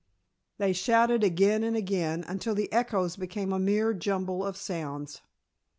They shouted again and again, until the echoes became a mere jumble of sounds.